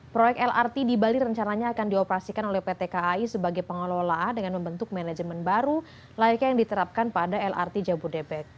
proyek lrt di bali rencananya akan dioperasikan oleh pt kai sebagai pengelola dengan membentuk manajemen baru layaknya yang diterapkan pada lrt jabodebek